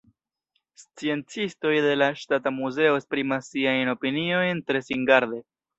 Sciencistoj de la Ŝtata Muzeo esprimas siajn opiniojn tre singarde.